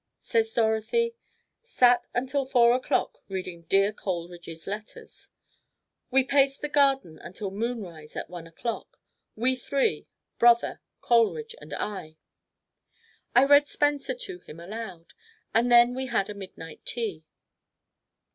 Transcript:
Says Dorothy: "Sat until four o'clock reading dear Coleridge's letters." "We paced the garden until moonrise at one o'clock we three, brother, Coleridge and I." "I read Spenser to him aloud and then we had a midnight tea."